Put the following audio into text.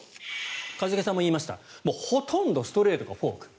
一茂さんも言いましたほとんどストレートかフォーク。